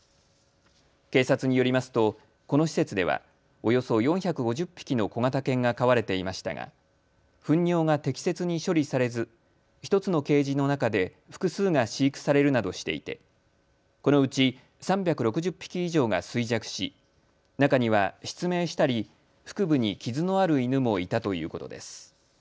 警察によりますとこの施設ではおよそ４５０匹の小型犬が飼われていましたがふん尿が適切に処理されず、１つのケージの中で複数が飼育されるなどしていてこのうち３６０匹以上が衰弱し中には失明したり腹部に傷のある犬もいたということです。